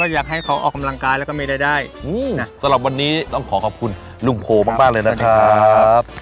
อยากให้เขาออกกำลังกายแล้วก็ไม่ได้ได้สำหรับวันนี้ต้องขอขอบคุณลุงโพมากเลยนะครับ